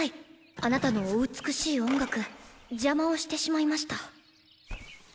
あなたのお美しい音楽邪魔をしてしまいました。